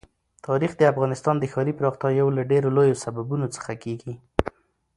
تاریخ د افغانستان د ښاري پراختیا یو له ډېرو لویو سببونو څخه کېږي.